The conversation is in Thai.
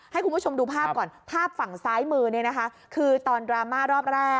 ให้คุณผู้ชมดูภาพก่อนภาพฝั่งซ้ายมือเนี่ยนะคะคือตอนดราม่ารอบแรก